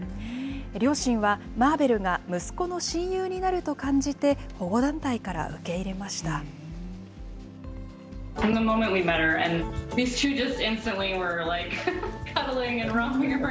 両親は、マーベルが息子の親友になると感じて、保護団体から受け入れました。